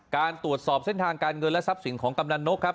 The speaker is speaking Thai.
การตรวจสอบเส้นทางการเงินและทรัพย์สินของกำนันนกครับ